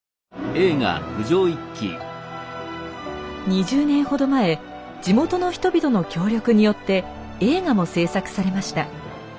２０年ほど前地元の人々の協力によって映画も製作されました。